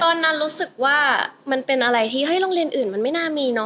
ตอนนั้นรู้สึกว่ามันเป็นอะไรที่เฮ้ยโรงเรียนอื่นมันไม่น่ามีเนอ